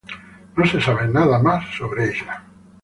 No se sabe nada más sobre ella.